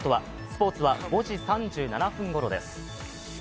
スポーツは５時３７分ごろです。